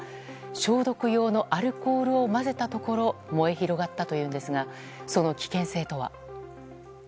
消毒用のアルコールを混ぜたところ燃え広がったというんですがその危険性とは。